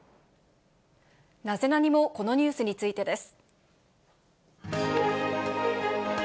ナゼナニっ？もこのニュースについてです。